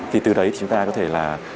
thì từ đấy chúng ta có thể là